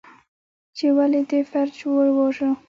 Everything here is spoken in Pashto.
، چې ولې دې فرج وواژه؟